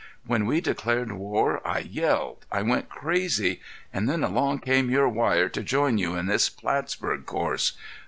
When we declared war, I yelled! I went crazy. And then along came your wire to join you in this Plattsburg course.